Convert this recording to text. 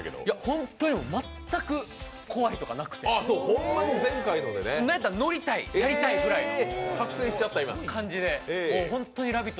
本当よ、全く怖いとかなくてなんやったら、乗りたい、やりたいぐらいの感じで本当に「ラヴィット！」